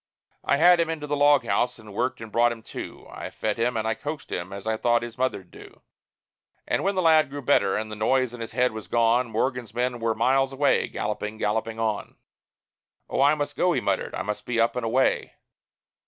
I had him into the log house, and worked and brought him to; I fed him and I coaxed him, as I thought his mother'd do; And when the lad grew better, and the noise in his head was gone, Morgan's men were miles away, galloping, galloping on. "Oh, I must go," he muttered; "I must be up and away!